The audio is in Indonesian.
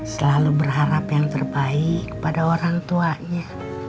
selalu berharap yang terbaik kepada orang tuanya